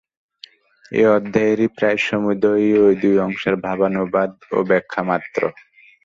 এই অধ্যায়ের প্রায় সমুদয়ই ঐ দুই অংশের ভাবানুবাদ ও ব্যাখ্যামাত্র।